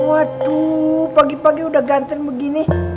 waduh pagi pagi udah ganteng begini